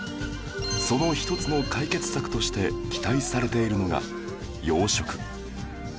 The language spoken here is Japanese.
その１つの解決策として期待されているのが養殖